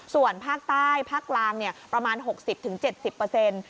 ส่วนภาคใต้ภาคกลางเนี่ยประมาณหกสิบถึงเจ็ดสิบเปอร์เซ็นต์